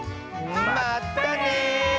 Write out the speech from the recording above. まったね！